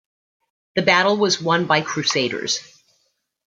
The battle was won by Crusaders.